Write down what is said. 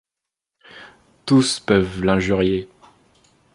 Tous peuvent l'injurier.